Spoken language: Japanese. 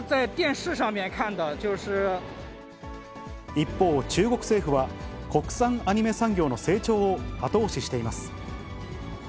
一方、中国政府は、国産アニメ産業の成長を後押ししています。